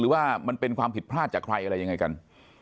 ว่ามันเป็นความผิดพลาดจากใครอะไรยังไงกัน